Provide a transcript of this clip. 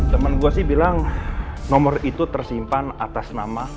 temen gue sih bilang nomor itu tersimpan atas nama